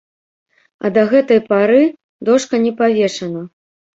А да гэтай пары дошка не павешана.